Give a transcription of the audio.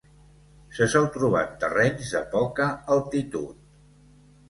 Se sol trobar en terrenys de poca altitud.